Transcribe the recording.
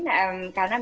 karena memang yang